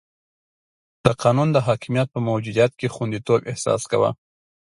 د قانون د حاکمیت په موجودیت کې خونديتوب احساس کاوه.